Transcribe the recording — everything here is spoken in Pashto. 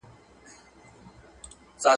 سیاسي بندیان د پوره قانوني خوندیتوب حق نه لري.